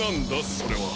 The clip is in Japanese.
それは。